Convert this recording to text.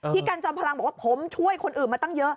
กันจอมพลังบอกว่าผมช่วยคนอื่นมาตั้งเยอะ